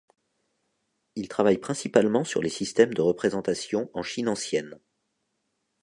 Il travaille principalement sur les systèmes de représentations en Chine ancienne.